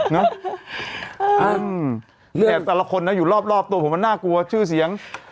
แต่แต่ละคนนะอยู่รอบตัวผมมันน่ากลัวชื่อเสียง